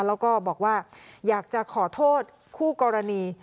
แล้วก็บอกว่าอยากจะขอโทษคู่กรณี